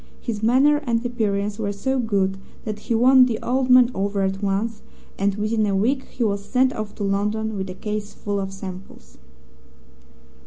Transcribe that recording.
His manner and appearance were so good that he won the old man over at once, and within a week he was sent off to London with a case full of samples.